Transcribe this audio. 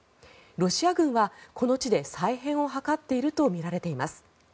ロシア軍はこの地で再編を図っているとみられます。